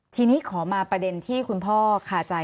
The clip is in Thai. ทีนี้ขอมาประเด็นที่คุณพ่อคาใจ